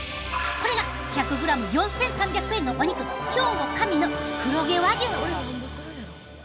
これが１００グラム４，３００円のお肉兵庫・香美の黒毛和牛。